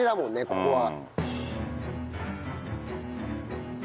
ここは。